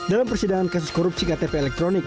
dalam persidangan kasus korupsi ktp elektronik